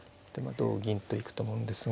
同銀と行くと思うんですが。